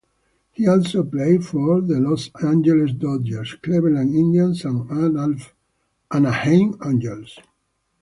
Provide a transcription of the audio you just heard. He also played for the Los Angeles Dodgers, Cleveland Indians, and Anaheim Angels.